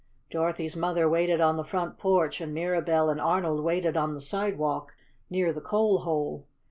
Dorothy's mother waited on the front porch, and Mirabell and Arnold waited on the sidewalk near the coal hole.